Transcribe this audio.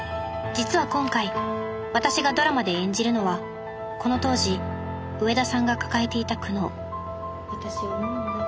実は今回私がドラマで演じるのはこの当時上田さんが抱えていた苦悩私思うんだ。